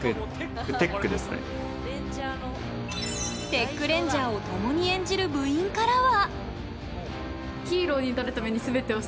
テックレンジャーをともに演じる部員からは。